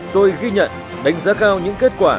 tôi ghi nhận đánh giá cao những kết quả